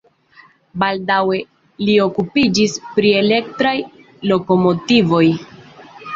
Baldaŭe li okupiĝis pri elektraj lokomotivoj.